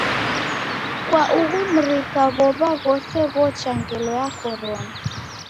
Kwa ughu mrika w'ow'a ghose ghocha ngelo ya Korona.